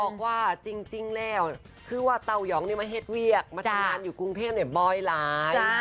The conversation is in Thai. บอกว่าจริงแล้วคือว่าเต้ายองมาเห็ดเวียกมาทำงานอยู่กรุงเทพบ่อยหลาย